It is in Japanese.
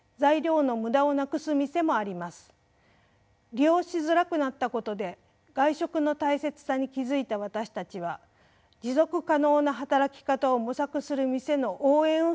利用しづらくなったことで外食の大切さに気付いた私たちは持続可能な働き方を模索する店の応援をするべきではないでしょうか。